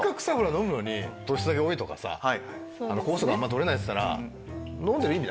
飲むのに糖質だけ多いとかさ酵素があんま取れないっつったら。